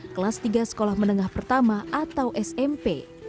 kelas tiga sekolah menengah pertama atau smp